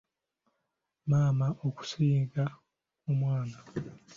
Maama okusiiga omwana.